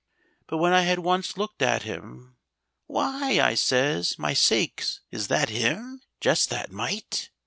But when I had once looked at him, "Why!" I says, "My sakes, is that him? Just that mite!"